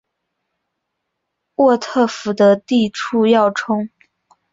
沃特福德地处要冲。